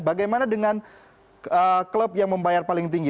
bagaimana dengan klub yang membayar paling tinggi